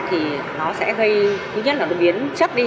thì nó sẽ gây thứ nhất là nó biến chất đi